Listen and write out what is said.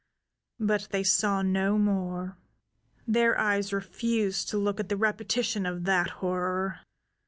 But they saw no more. Their eyes refused to look at a repetition of that horror.